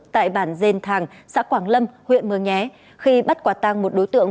tại bản dền thàng xã quảng lâm huyện mường nhé khi bắt quả tăng một đối tượng